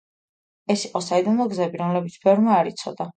ეს იყო საიდუმლო გზები, რომლებიც ბევრმა არ იცოდა.